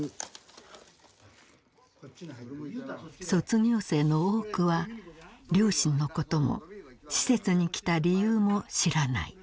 卒業生の多くは両親のことも施設に来た理由も知らない。